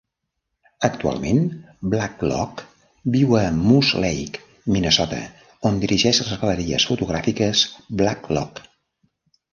Actualment Blacklock viu a Moose Lake, Minnesota, on dirigeix les galeries fotogràfiques Blacklock.